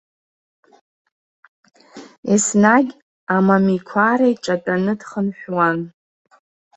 Еснагь амамиқәара иҿатәаны дхынҳәуан.